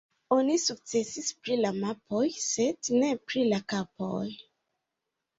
Oni sukcesis pri la mapoj sed ne pri la kapoj.